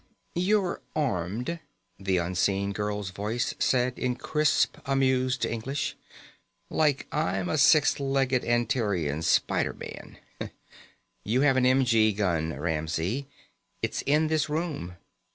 "You're armed," the unseen girl's voice said in crisp, amused English, "like I'm a six legged Antarean spider man. You have an m.g. gun, Ramsey. It's in this room.